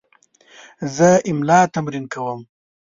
زه املا تمرین کوم.